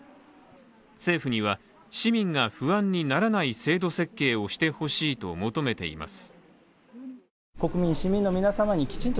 政府には、市民が不安にならない制度設計をしてほしいと求めています。